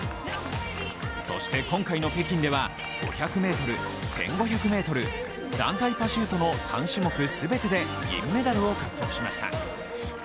そして今回の北京では５００ｍ、１５００ｍ、団体パシュートの３種目全てで銀メダルを獲得しました。